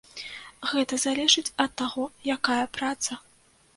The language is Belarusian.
Гэта залежыць ад таго, якая праца.